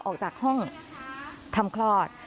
ออกจากห้องทำคลอด